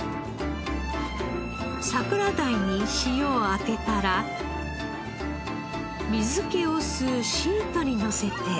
桜鯛に塩を当てたら水気を吸うシートにのせて。